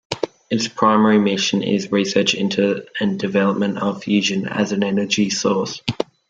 Its primary mission is research into and development of fusion as an energy source.